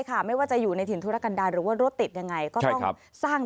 ไม่ว่าจะอยู่ในถิ่นธุรกันดาหรือว่ารถติดยังไงก็ต้องสร้าง